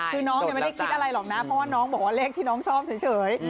คือน้องยังไม่ได้คิดอะไรหรอกนะเพราะว่าน้องบอกว่าเลขที่น้องชอบเฉย